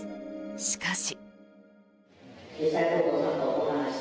しかし。